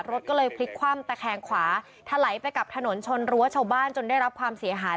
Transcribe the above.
รถก็เลยพลิกคว่ำตะแคงขวาทะไหลไปกับถนนชนรั้วชาวบ้านจนได้รับความเสียหาย